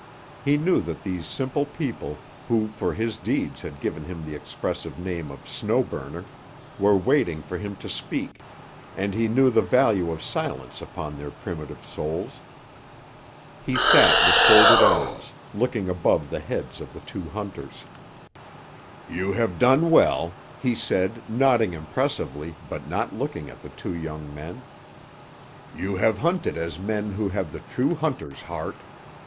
He knew that these simple people, who for his deeds had given him the expressive name of Snow Burner, were waiting for him to speak, and he knew the value of silence upon their primitive souls. He sat with folded arms, looking above the heads of the two hunters. "You have done well," he said, nodding impressively, but not looking at the two young men. "You have hunted as men who have the true hunter's heart.